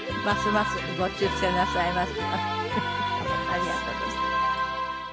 ありがとうございます。